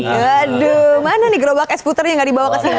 waduh mana nih gerobak es puternya nggak dibawa ke sana